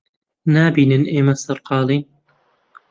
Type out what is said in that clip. نابینن ئێمە سەرقاڵین؟